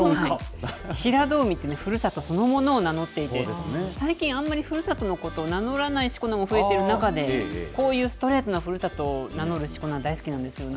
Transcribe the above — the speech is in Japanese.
平戸海ってね、ふるさとそのものを名乗っていて、最近、あんまり、ふるさとのことを名乗らないしこ名も増えている中で、こういうストレートな、ふるさとを名乗るしこ名、大好きなんですよね。